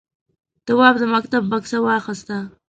تواب د مکتب بکسه واخیسته.